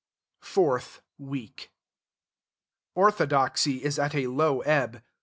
FOURTH WEEK Orthodoxy is at a low ebb.